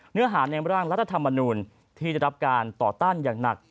เนื้อหาในร่างรัฐธรรมนูลที่ได้รับการต่อต้านอย่างหนัก